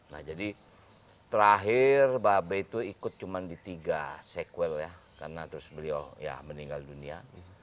nah jadi terakhir mbak abe itu ikut cuma di tiga sequel ya karena terus beliau ya meninggal dunia